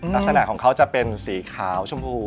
ลักษณะของเขาจะเป็นสีขาวชมพู